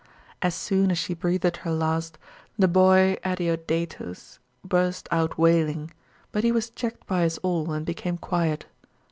As soon as she breathed her last, the boy Adeodatus burst out wailing; but he was checked by us all, and became quiet.